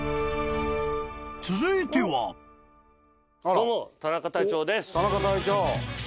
［続いては］どうも田中隊長です。